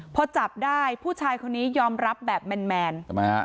พอจับได้ผู้ชายคนนี้ยอมรับแบบแมนทำไมฮะ